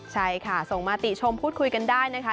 ใช่ค่ะส่งมาติชมพูดคุยกันได้นะคะ